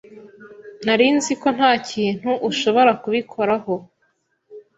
Nari nzi ko ntakintu ushobora kubikoraho.